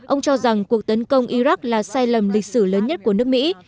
ông cho rằng cuộc tấn công iraq là sai lầm lịch sử lớn nhất của nước mỹ